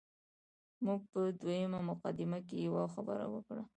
موږ په دویمه مقدمه کې یوه خبره وکړه.